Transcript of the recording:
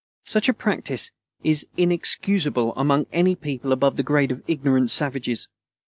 Such a practice is inexcusable among any people above the grade of ignorant savages.